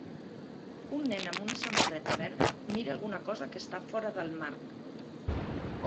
Un nen amb una samarreta verda mira alguna cosa que està fora del marc.